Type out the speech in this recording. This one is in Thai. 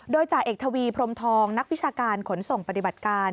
โดยจ่าเอกทวีพรมทองนักวิชาการขนส่งปฏิบัติการ